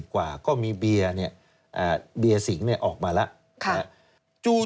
๒๔๗๐กว่าก็มีเบียสิงออกมาแล้ว